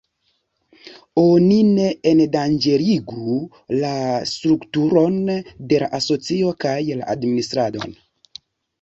Oni ne endanĝerigu la strukturon de la asocio kaj la administradon.